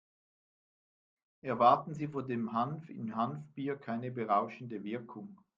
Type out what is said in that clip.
Erwarten Sie von dem Hanf im Hanfbier keine berauschende Wirkung.